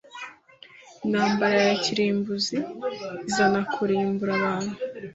Intambara ya kirimbuzi izazana kurimbura abantu